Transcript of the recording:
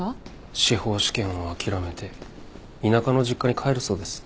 司法試験を諦めて田舎の実家に帰るそうです。